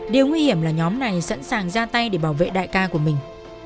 điều nguy hiểm là nhóm này sẵn sàng ra tay để bảo vệ đại ca của mình